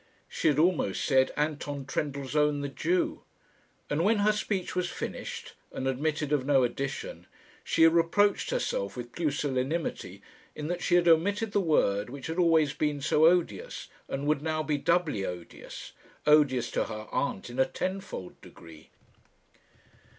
She had almost said, "Anton Trendellsohn, the Jew;" and when her speech was finished, and admitted of no addition, she reproached herself with pusillanimity in that she had omitted the word which had always been so odious, and would now be doubly odious odious to her aunt in a tenfold degree.